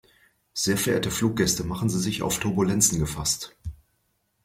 Sehr verehrte Fluggäste, machen Sie sich auf Turbulenzen gefasst.